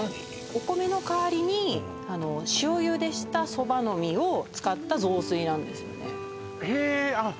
お米の代わりに塩ゆでしたそばの実を使ったぞうすいなんですよねへえあっ